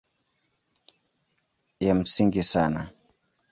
Ya msingi sana